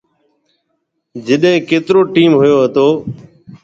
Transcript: جڏي ڪيترو ٽيم هوئيو هتو۔